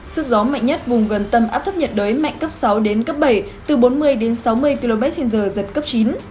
sức gió mạnh nhất vùng gần tâm áp thấp nhật đới mạnh cấp sáu bảy từ bốn mươi sáu mươi km trên giờ giật cấp chín